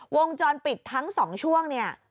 วงจรปิดทั้ง๒ช่วงเนี่ย